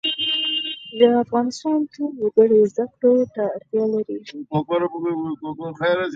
د افغانستان ټول وګړي زده کړو ته اړتیا لري